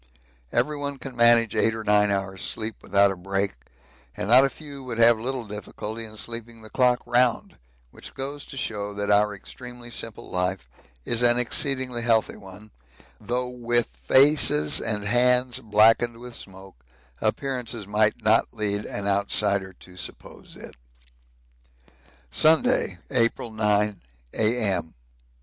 Everyone can manage eight or nine hours' sleep without a break, and not a few would have little difficulty in sleeping the clock round, which goes to show that our extremely simple life is an exceedingly healthy one, though with faces and hands blackened with smoke, appearances might not lead an outsider to suppose it. Sunday, April 9, A.M.